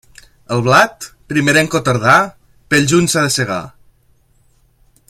El blat, primerenc o tardà, pel juny s'ha de segar.